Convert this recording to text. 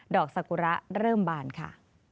อกสกุระเริ่มบานค่ะ